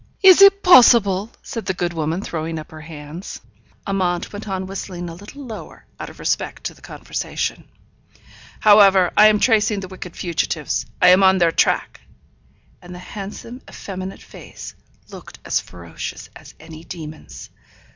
'Is it possible?' said the good woman, throwing up her hands. Amante went on whistling a little lower, out of respect to the conversation. 'However, I am tracing the wicked fugitives; I am on their track' (and the handsome, effeminate face looked as ferocious as any demon's).